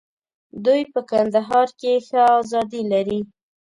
دوی په کندهار کې ښه آزادي لري.